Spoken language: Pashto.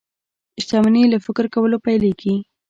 شتمني له فکر کولو پيلېږي.